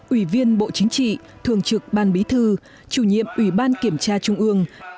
ủy viên bộ chính trị thường trực ban bí thư chủ nhiệm ủy ban kiểm tra trung ương